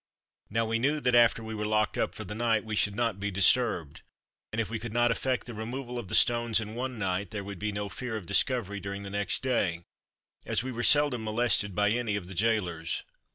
Now we knew that after we were locked up for the night we should not be disturbed, and if we could not effect the removal of the stones in one night, there would be no fear of discovery during the next day, as we were seldom molested by any of the gaolers.